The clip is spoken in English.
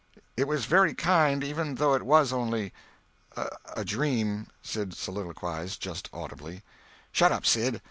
"It was very kind, even though it was only a—dream," Sid soliloquized just audibly. "Shut up, Sid!